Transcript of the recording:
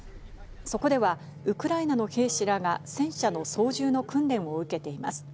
そこではウクライナの兵士らが戦車の操縦の訓練を受けています。